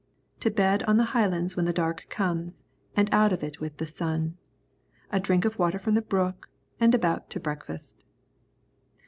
To bed on the highlands when the dark comes, and out of it with the sun. A drink of water from the brook, and about to breakfast.